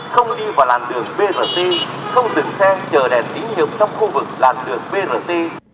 không đi vào làn đường brt không dừng xe chờ đèn tính hiệu trong khu vực làn đường brt